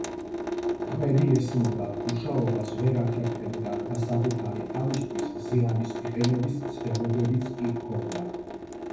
ხმები ესმოდა, მუშაობას ვერ ახერხებდა და საკუთარი თავისთვის ზიანის მიყენების მცდელობებიც კი ჰქონდა